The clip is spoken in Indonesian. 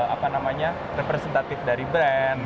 apa namanya representatif dari brand